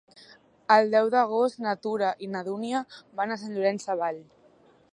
El deu d'agost na Tura i na Dúnia van a Sant Llorenç Savall.